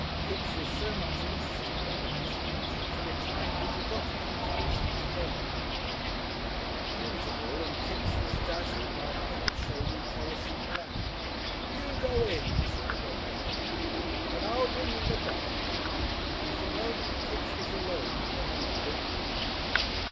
Kipps was so much interested by these things that for the time he forgot his injuries altogether. An interval and Kipps was dazzled by a pink shaded kerosene lamp. "You go in," said the red haired man, "and I'll bring in the bike," and for a moment Kipps was alone in the lamp lit room.